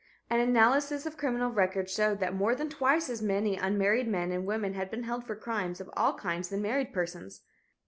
An analysis of criminal records showed that more than twice as many unmarried men and women had been held for crimes of all kinds than married persons.